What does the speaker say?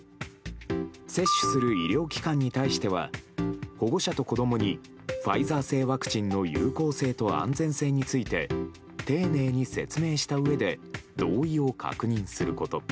接種する医療機関に対しては、保護者と子どもにファイザー製ワクチンの有効性と安全性について、丁寧に説明したうえで、同意を確認すること。